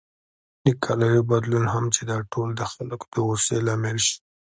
د کالیو بدلون هم چې دا ټول د خلکو د غوسې لامل شو.